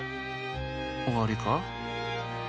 おわりか？